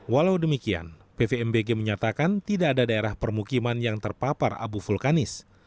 walau demikian pvmbg menyatakan tidak ada daerah permukiman yang terpapar abu vulkanis